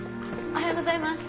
・おはようございます。